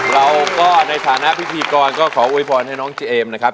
เราก็ในฐานะพิธีกรก็ขอโวยพรให้น้องเจเอมนะครับ